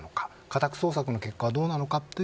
家宅捜査の結果はどうなのか。